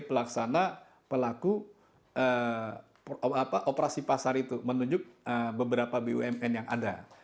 pelaksana pelaku operasi pasar itu menunjuk beberapa bumn yang ada